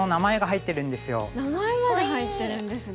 名前まで入ってるんですね。